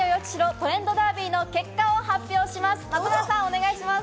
トレンドダービー」の結果を発表します。